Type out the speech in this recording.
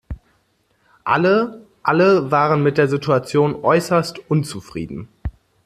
Alle, alle waren mit der Situation äußerst unzufrieden.